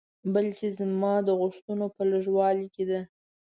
بلکې زما د غوښتنو په لږوالي کې ده.